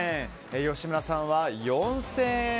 吉村さんは４０００円。